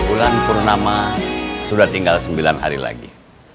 bulan purnama sudah tinggal sembilan hari lagi